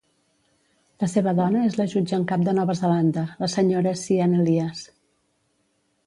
La seva dona és la jutge en cap de Nova Zelanda, la senyora Sian Elias.